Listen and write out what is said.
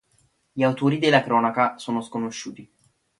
Gli autori della cronaca sono sconosciuti.